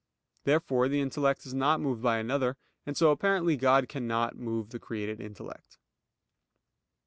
Therefore the intellect is not moved by another; and so apparently God cannot move the created intellect.